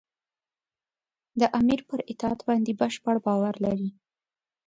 د امیر پر اطاعت باندې بشپړ باور لري.